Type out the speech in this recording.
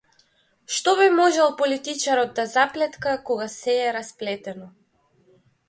Што би можел политичарот да заплетка кога сѐ е расплетено?